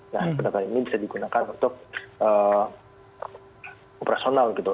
nah kereta ini bisa digunakan untuk operasional gitu